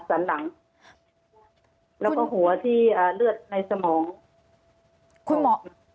อันดับที่สุดท้าย